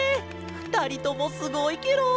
ふたりともすごいケロ！